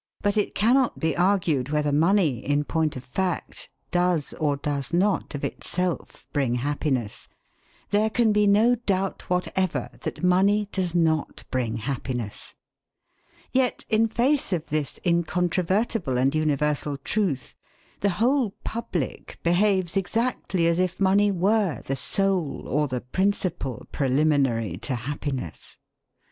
But it cannot be argued whether money, in point of fact, does or does not of itself bring happiness. There can be no doubt whatever that money does not bring happiness. Yet, in face of this incontrovertible and universal truth, the whole public behaves exactly as if money were the sole or the principal preliminary to happiness.